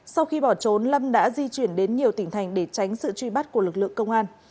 sau khi bỏ trốn lâm đã di chuyển đến nhiều tỉnh thành để tránh sự truy bắt của lực lượng công an